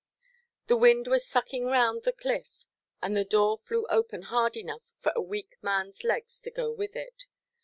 The wind was sucking round the cliff, and the door flew open hard enough for a weak manʼs legs to go with it.